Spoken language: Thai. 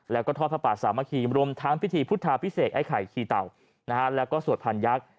แล้วก็ทอดพระป่าสามัคคีรวมทั้งพิธีพุทธาพิเศษไอ้ไข่ขี่เต่าแล้วก็สวดพันยักษ์